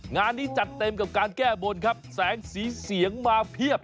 งานนี้จัดเต็มกับการแก้บนครับแสงสีเสียงมาเพียบ